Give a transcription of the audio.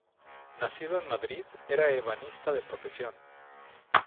Nacido en Madrid, era ebanista de profesión.